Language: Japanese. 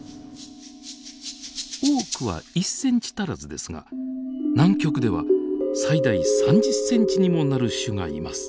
多くは１ｃｍ足らずですが南極では最大３０ｃｍにもなる種がいます。